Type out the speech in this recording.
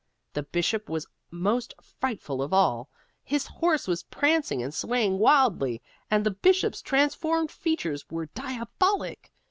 The Bishop was most frightful of all. His horse was prancing and swaying wildly, and the Bishop's transformed features were diabolic.